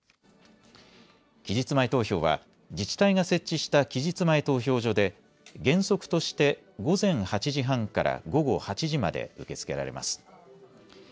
期日前投票は自治体が設置した期日前投票所で原則として午前８時半から午後８時まで受け付けられます。